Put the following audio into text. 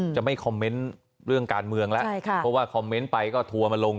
จะไม่คอมเมนต์เรื่องการเมืองแล้วใช่ค่ะเพราะว่าคอมเมนต์ไปก็ทัวร์มาลง